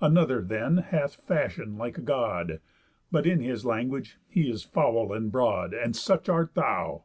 Another, then, hath fashion like a God, But in his language he is foul and broad. And such art thou.